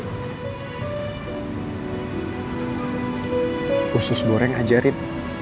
khusus goreng ajarin